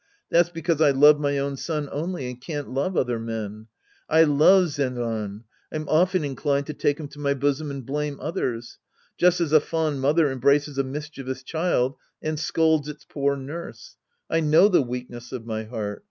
That's because I love my own son only and can't love other men. I love Zenran. I'm often inclined to take him to my bosom and blame others. Just as a fond mother embraces a mischie vous child and scolds its poor nurse. I know the weakness of my heart.